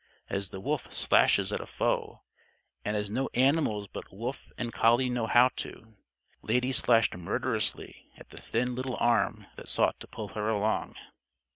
As the wolf slashes at a foe and as no animals but wolf and collie know how to Lady slashed murderously at the thin little arm that sought to pull her along.